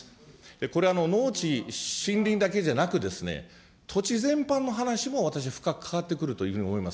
これ、農地、森林だけじゃなく、土地全般の話も、私、深く関わってくるというふうに思います。